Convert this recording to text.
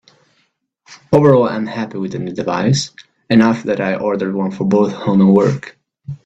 Overall I'm happy with the new device, enough that I ordered one for both home and work.